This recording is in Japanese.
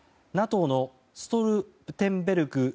ＮＡＴＯのストルテンベルグ